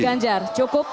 pak ganjar cukup